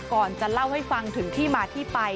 ก่อนจะเล่าให้ฟังถึงที่มาที่ไป